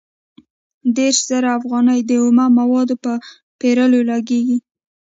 دېرش زره افغانۍ د اومه موادو په پېرلو لګېږي